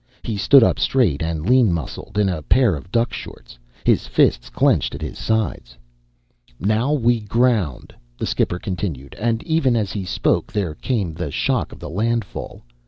He stood up straight and lean muscled, in a pair of duck shorts. His fists clenched at his sides. "Now we grround," the skipper continued, and even as he spoke there came the shock of the landfall.